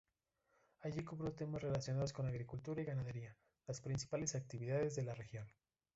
Allí cubrió temas relacionados con agricultura y ganadería, las principales actividades de la región.